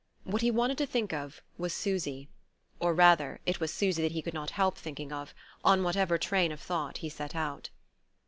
What he wanted to think of was Susy or rather, it was Susy that he could not help thinking of, on whatever train of thought he set out.